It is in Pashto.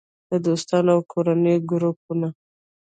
- د دوستانو او کورنۍ ګروپونه